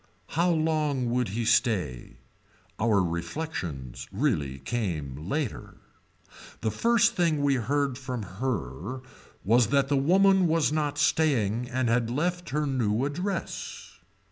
How long would he stay. Our reflections really came later. The first thing we heard from her was that the woman was not staying and had left her new address.